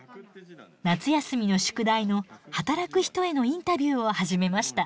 夏休みの宿題の「働く人へのインタビュー」を始めました。